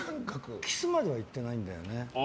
キスまではいってないんだよね。